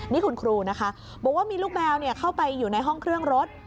นี่คุณครูนะคะบอกว่ามีลูกแมวเข้าไปอยู่ในห้องเครื่องรถ